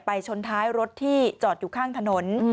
ชนท้ายรถที่จอดอยู่ข้างถนน